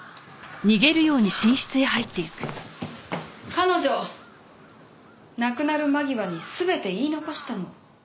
彼女亡くなる間際に全て言い残したの。